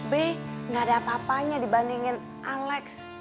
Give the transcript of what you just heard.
b nggak ada apa apanya dibandingin alex